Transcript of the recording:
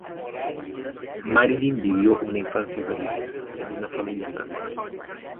Marilyn vivió una infancia feliz en una familia sana.